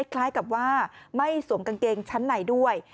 คล้ายกับว่าไม่สวมกางเกงชั้นในด้วย